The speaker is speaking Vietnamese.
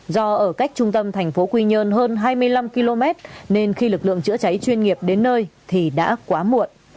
do ở cách trung tâm thành phố quy nhơn hơn hai mươi năm km nên khi lực lượng chữa cháy chuyên nghiệp đến nơi thì đã quá muộn